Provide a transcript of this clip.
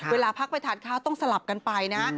เวลาพักไปทานข้าวต้องสลับกันไปนะ